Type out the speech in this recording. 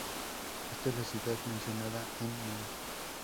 Esta es la ciudad mencionada en Num.